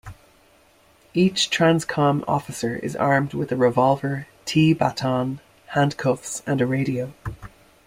Each TransCom Officer is armed with a Revolver, T-baton, Handcuffs and a Radio.